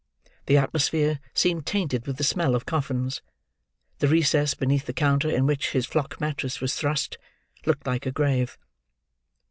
The atmosphere seemed tainted with the smell of coffins. The recess beneath the counter in which his flock mattress was thrust, looked like a grave.